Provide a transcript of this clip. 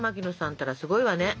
ったらすごいわね。